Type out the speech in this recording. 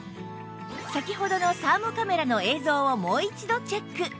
先ほどのサーモカメラの映像をもう一度チェック